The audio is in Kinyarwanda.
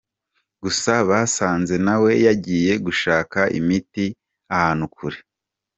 Gusa basanze nawe yagiye gushaka imiti ahantu kure.